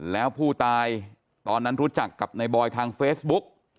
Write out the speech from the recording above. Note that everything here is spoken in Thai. แล้วผู้ตายตอนนั้นรู้จักกับในบอยทางเฟซบุ๊ก